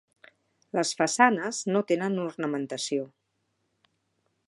Les façanes no tenen ornamentació.